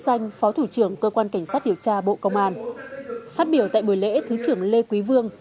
danh phó thủ trưởng cơ quan cảnh sát điều tra bộ công an phát biểu tại buổi lễ thứ trưởng lê quý vương